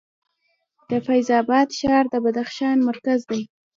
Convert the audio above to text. د فیض اباد ښار د بدخشان مرکز دی